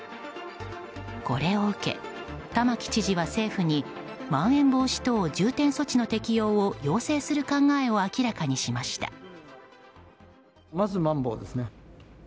これを受け、玉城知事は政府にまん延防止等重点措置の適用を要請する考えを明らかにしました。